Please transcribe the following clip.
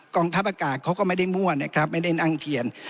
กองทัพอากาศเขาก็ไม่ได้มั่วไม่ได้นั่งเถียน